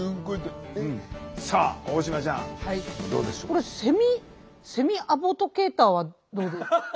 これセミセミアドボケイターはどうでしょう？